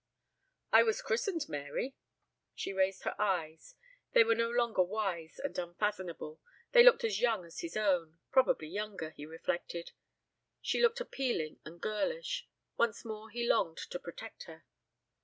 '" "I was christened Mary." She raised her eyes. They were no longer wise and unfathomable. They looked as young as his own. Probably younger, he reflected. She looked appealing and girlish. Once more he longed to protect her.